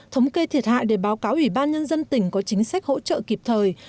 thống kê thiệt hại để báo cáo ủy ban nhân dân tỉnh có chính sách hỗ trợ kịp thời